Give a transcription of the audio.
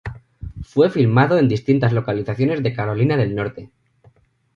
Fue filmado en distintas locaciones de Carolina del Norte.